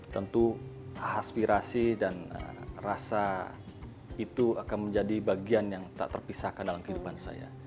tentu aspirasi dan rasa itu akan menjadi bagian yang tak terpisahkan dalam kehidupan saya